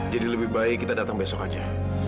jadi lebih baik kita datang besok saja